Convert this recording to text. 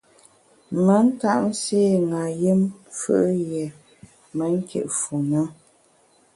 Me ntap nségha yùm fù’ yié me nkit fu ne.